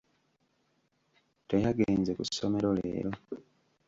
Teyagenze ku ssomero leero.